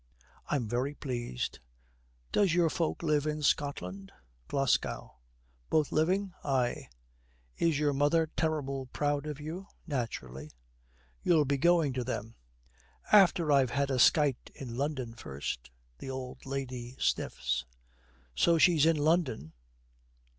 'I'm very pleased. Does your folk live in Scotland?' 'Glasgow.' 'Both living?' 'Ay.' 'Is your mother terrible proud of you?' 'Naturally.' 'You'll be going to them?' 'After I've had a skite in London first.' The old lady sniffs, 'So she is in London!'